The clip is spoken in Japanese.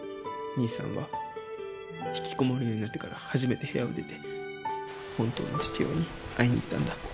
兄さんは引きこもるようになってから初めて部屋を出て本当の父親に会いに行ったんだ。